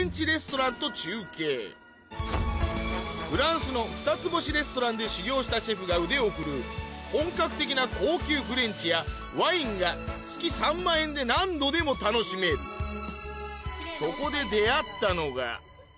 フランスの２つ星レストランで修業したシェフが腕を振るう本格的な高級フレンチやワインが月３万円で何度でも楽しめる他のお店と違う。